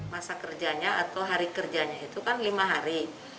masa kerjanya atau hari kerjanya itu kan lima hari